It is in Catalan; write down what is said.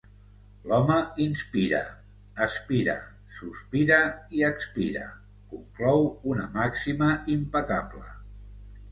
«L'home inspira, aspira, sospira i expira», conclou una màxima impecable.